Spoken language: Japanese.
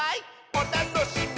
おたのしみ！」